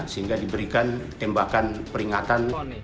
sehingga diberikan tembakan peringatan